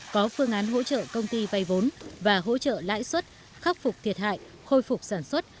có phương án hỗ trợ công ty vay vốn và hỗ trợ lãi suất khắc phục thiệt hại khôi phục sản xuất